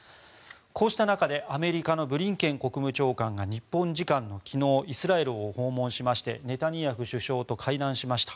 こうした中でアメリカのブリンケン国務長官が日本時間昨日イスラエルを訪問しましてネタニヤフ首相と会談しました。